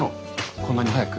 こんなに早く。